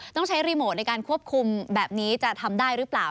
ต้องใช้รีโมทในการควบคุมแบบนี้จะทำได้หรือเปล่า